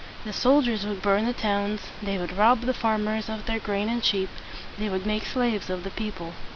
The soldiers would burn the towns, they would rob the farmers of their grain and sheep, they would make slaves of the people.